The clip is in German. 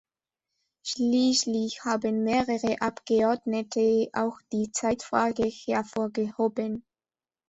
Schließlich haben mehrere Abgeordnete auch die Zeitfrage hervorgehoben.